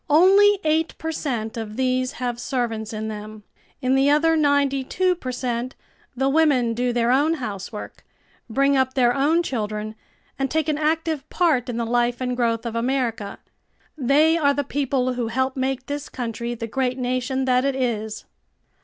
"Only eight per cent of these have servants in them. In the other ninety two per cent the women do their own housework; bring up their own children, and take an active part in the life and growth of America. They are the people who help make this country the great nation that it is."